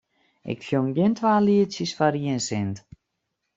Ik sjong gjin twa lietsjes foar ien sint.